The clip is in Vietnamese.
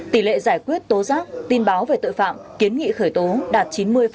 tỷ lệ giải quyết tố giác tin báo về tội phạm kiến nghị khởi tố đạt chín mươi